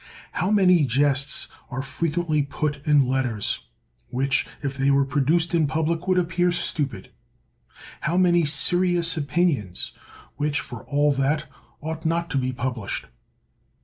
How many jests are frequently put in letters, which, if they were produced in pub lic, would appear stupid! How many serious opinions, which, for all that, ought not to be published!